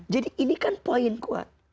jadi ini kan poin kuat